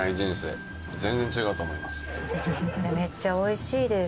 めっちゃ美味しいです。